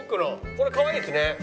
これかわいいですね。